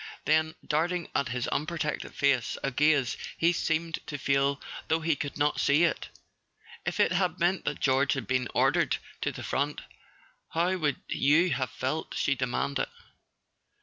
Then, darting at his unprotected face a gaze he seemed to feel though he could not see it: "If it had meant that George had been ordered to the front, how would you have felt?" she demanded.